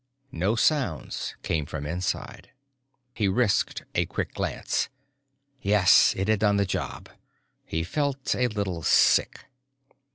No sound came from inside. He risked a quick glance. Yes, it had done the job. He felt a little sick.